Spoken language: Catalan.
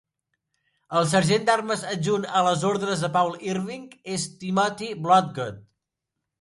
El sergent d'armes adjunt a les ordres de Paul Irving és Timothy Blodgett.